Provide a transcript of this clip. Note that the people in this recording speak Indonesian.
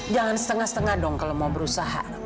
jangan setengah setengah dong kalau mau berusaha